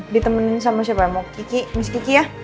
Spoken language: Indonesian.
ditemenin sama siapa yang mau miss kiki ya